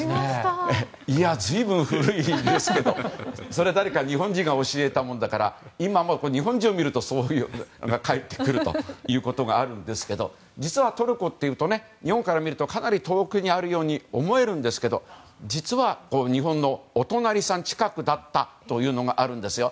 それ、誰か日本人が教えたもんだから今も日本人を見るとそう返ってくるということがあるんですけど実はトルコというと日本から見るとかなり遠くにあるように思えるんですが実は、日本のお隣さん近くだったというのがあるんですよ。